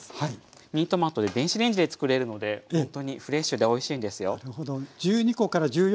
ミニトマトで電子レンジでつくれるのでほんとにフレッシュでおいしいんですよ。